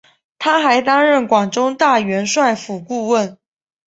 他还担任广州大元帅府顾问。